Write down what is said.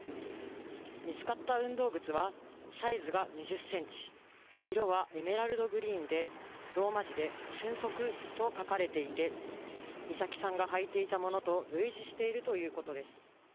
見つかった運動靴はサイズが２０センチ色はエメラルドグリーンでローマ字でＳＹＵＮＳＯＫＵと書かれていて美咲さんがはいていたものと類似しているということです。